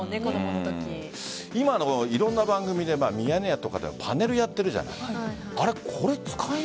今のいろんな番組で「ミヤネ屋」とかではパネルをやっているじゃない。